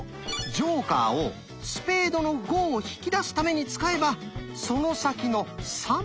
ジョーカーを「スペードの５」を引き出すために使えばその先の「３」も出せたんですね。